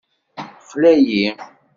Texla-yi.